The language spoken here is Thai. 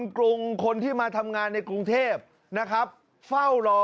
อ๋อต้องทำทันทีปะพี่